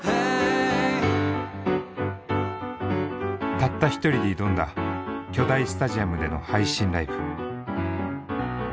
たった１人で挑んだ巨大スタジアムでの配信ライブ。